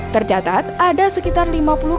tercatat ada sekitar lima puluh